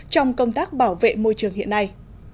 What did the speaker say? trong công tác bảo vệ môi trường hiện nay